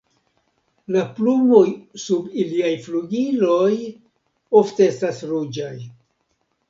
La plumoj sub iliaj flugiloj ofte estas ruĝaj.